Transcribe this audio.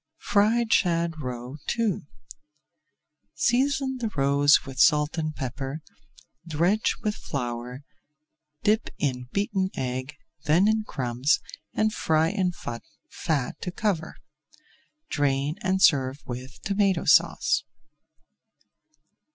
[Page 339] FRIED SHAD ROE II Season the roes with salt and pepper, dredge with flour, dip in beaten egg, then in crumbs, and fry in fat to cover. Drain, and serve with Tomato Sauce.